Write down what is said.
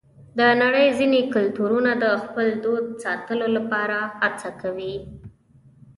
د نړۍ ځینې کلتورونه د خپل دود ساتلو لپاره هڅه کوي.